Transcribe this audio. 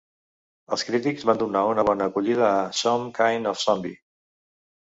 Els crítics van donar una bona acollida a "Some Kind of Zombie".